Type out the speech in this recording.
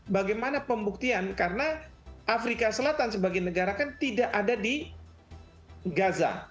bagaimana pembuktian karena afrika selatan sebagai negara kan tidak ada di gaza